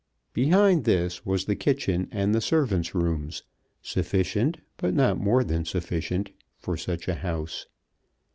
Behind this was the kitchen and the servants' rooms sufficient, but not more than sufficient, for such a house.